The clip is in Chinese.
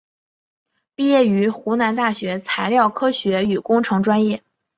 毕业于湖南大学材料科学与工程专业。